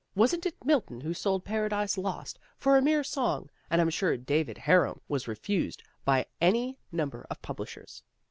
" Wasn't it Milton who sold ' Paradise Lost ' for a mere song, and I'm sure ' David Harum ' was refused by any number of publishers."